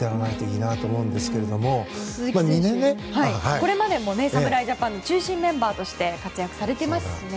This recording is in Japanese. これまでも侍ジャパンの中心メンバーとして活躍されていますしね。